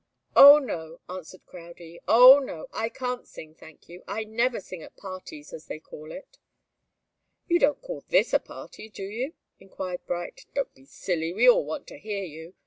"Oh, no!" answered Crowdie. "Oh, no! I can't sing, thank you. I never sing at parties as they call it." "You don't call this a party, do you?" enquired Bright. "Don't be silly. We all want to hear you.